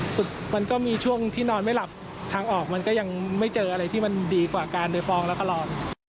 มันก็มีช่วงที่นอนไม่หลับทางออกมันก็ยังไม่เจออะไรที่มันดีกว่าการโดยฟองแล้วก็ลอง